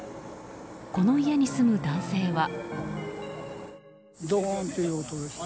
この家に住む男性は。